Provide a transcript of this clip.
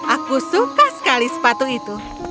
aku suka sekali sepatu itu